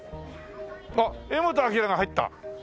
あっ柄本明が入った！